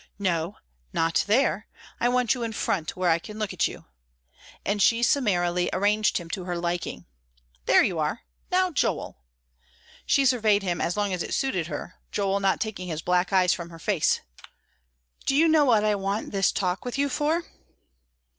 "No, not there; I want you in front where I can look at you," and she summarily arranged him to her liking. "There you are! Now, Joel," she surveyed him as long as it suited her, Joel not taking his black eyes from her face, "do you know what I want this talk with you for?"